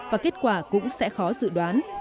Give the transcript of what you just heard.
và kết quả cũng sẽ khó dự đoán